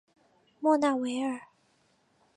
莫纳维尔。